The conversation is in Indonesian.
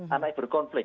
anak yang berkonflik